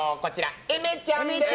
えめちゃんです！